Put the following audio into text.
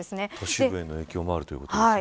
周辺への影響もあるということですね。